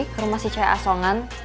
ke rumah si cahaya asongan